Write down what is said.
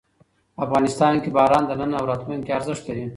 افغانستان کې باران د نن او راتلونکي ارزښت لري.